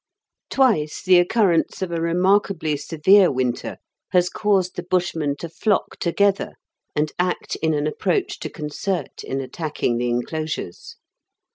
Twice the occurrence of a remarkably severe winter has caused the Bushmen to flock together and act in an approach to concert in attacking the enclosures.